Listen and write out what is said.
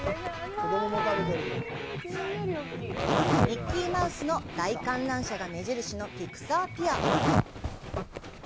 ミッキーマウスの大観覧車が目印のピクサー・ピア。